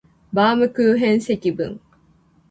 バームクーヘン積分